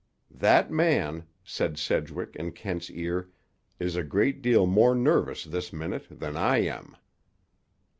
"That man," said Sedgwick in Kent's ear, "is a great deal more nervous this minute than I am."